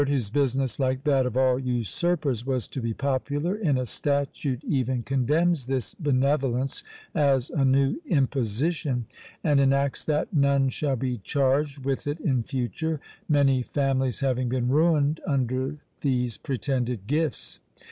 whose business, like that of all usurpers, was to be popular, in a statute even condemns this "benevolence" as "a new imposition," and enacts that "none shall be charged with it in future; many families having been ruined under these pretended gifts."